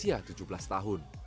usia tujuh belas tahun